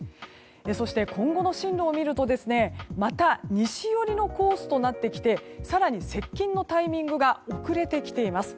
そして、今後の進路を見るとまた西寄りのコースとなってきて更に接近のタイミングが遅れてきています。